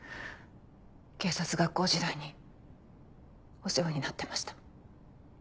警察学校時代にお世話になってました。